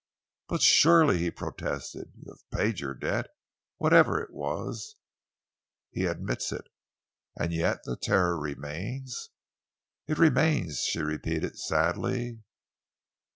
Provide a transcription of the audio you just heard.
"But surely," he protested, "you have paid your debt, whatever it was?" "He admits it." "And yet the terror remains?" "It remains," she repeated sadly.